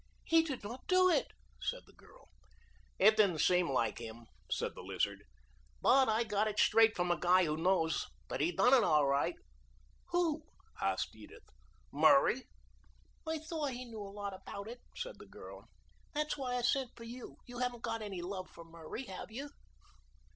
"He did not do it," said the girl. "It didn't seem like him," said the Lizard, "but I got it straight from a guy who knows that he done it all right." "Who?" asked Edith. "Murray." "I thought he knew a lot about it," said the girl. "That's why I sent for you. You haven't got any love for Murray, have you?"